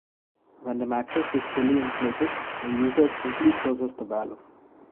When the mattress has fully inflated, the user simply closes the valve.